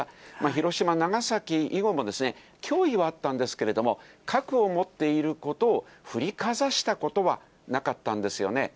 広島、長崎以後も、脅威はあったんですけれども、核を持っていることを振りかざしたことはなかったんですよね。